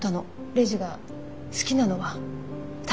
レイジが好きなのは拓真。